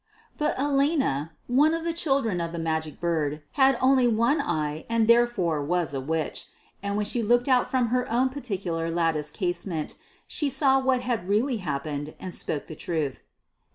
But Elena, one of the children of the Magic Bird, had only one eye and therefore was a witch; and when she looked out from her own particular latticed casement she saw what had really happened and spoke the truth.